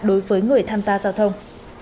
đối với người tham gia giao thông